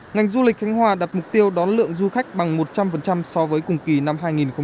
ngành du lịch khánh hòa đặt mục tiêu đón lượng du khách bằng một trăm linh so với cùng kỳ năm hai nghìn một mươi chín